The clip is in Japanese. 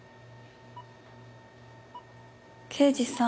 刑事さん。